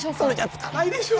つかないでしょ？